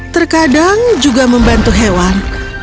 terkadang juga membantu hewan